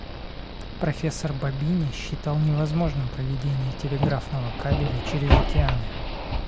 Профессор Бабине считал невозможным проведение телеграфного кабеля через океаны.